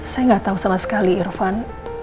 saya gak tau sama sekali irfan